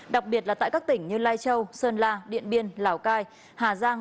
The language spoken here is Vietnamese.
đặc biệt là tại các tỉnh như lai châu sơn la điện biên lào cai hà giang